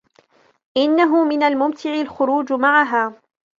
إنهُ من الممتع الخروج معها.